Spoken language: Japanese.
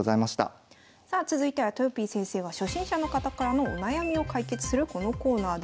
さあ続いてはとよぴー先生が初心者の方からのお悩みを解決するこのコーナーです。